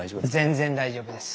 全然大丈夫です。